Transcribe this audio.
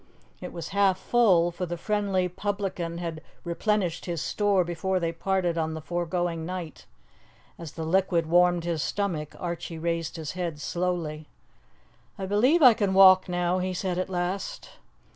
It was half full, for the friendly publican had replenished his store before they parted on the foregoing night. As the liquid warmed his stomach, Archie raised his head slowly. "I believe I can walk now," he said at last.